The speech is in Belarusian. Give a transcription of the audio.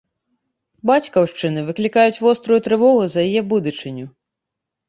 Бацькаўшчыны выклікаюць вострую трывогу за яе будучыню.